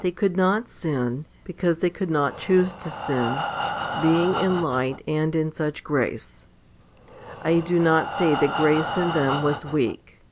They could not sin, because they could not choose to sin, being in light and in such grace. I do not say that grace in them was weak.